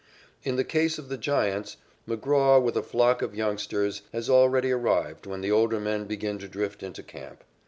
In the case of the Giants, McGraw, with a flock of youngsters, has already arrived when the older men begin to drift into camp.